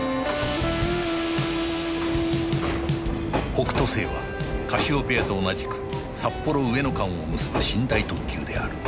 北斗星はカシオペアと同じく札幌上野間を結ぶ寝台特急である